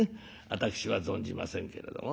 私は存じませんけれども。